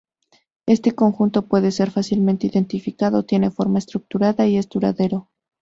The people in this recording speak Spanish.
Este conjunto puede ser fácilmente identificado, tiene forma estructurada y es duradero.